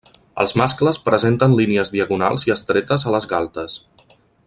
Els mascles presenten línies diagonals i estretes a les galtes.